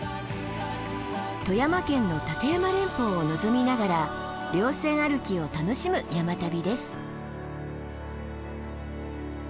富山県の立山連峰を望みながら稜線歩きを楽しむ山旅です。